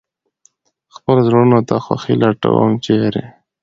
خپه زړونو ته خوښي لټوم ، چېرې ؟